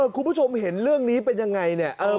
คุณผู้ชมเห็นเรื่องนี้เป็นยังไงเนี่ย